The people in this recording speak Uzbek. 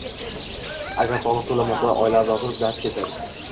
Agar soliq to‘lanmasa, oila asosi darz ketadi.